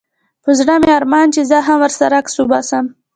په زړه مي ارمان چي زه هم ورسره عکس وباسم